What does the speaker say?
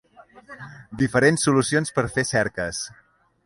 Diferents solucions per fer cerques.